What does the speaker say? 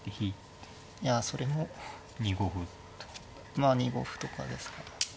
まあ２五歩とかですか。